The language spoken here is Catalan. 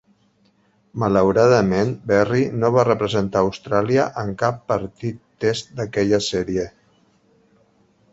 Malauradament, Berry no va representar Austràlia en cap partit test d'aquella sèrie.